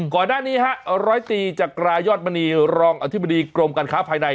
ก่อนหน้านี้ฮะร้อยตีจากรายอดมณีรองอธิบดีกรมการค้าภายใน